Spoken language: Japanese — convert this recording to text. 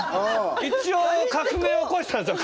一応革命起こしたんですよ